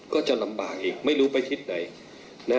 ก็จะลำบากอีกไม่รู้ไปทิศไหน